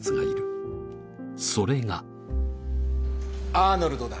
アーノルドだ。